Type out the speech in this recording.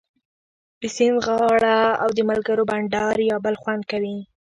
د سیند غاړه او د ملګرو بنډار بیا بل خوند کوي